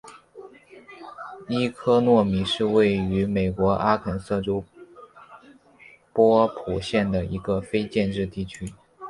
伊科诺米是位于美国阿肯色州波普县的一个非建制地区。